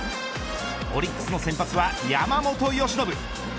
オリックスの先発は山本由伸。